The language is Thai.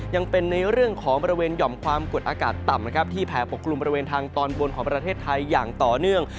ยังเป็นในเรื่องของบริเวณหย่อมความกดอากาศต่ำนะครับที่แผ่ปกกลุ่มบริเวณทางตอนบนของประเทศไทยอย่างต่อเนื่อง